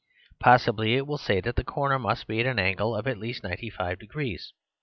Possibly it will say that the corner must be an angle of at least ninety five degrees.